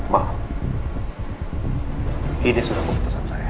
ma ini sudah memutuskan saya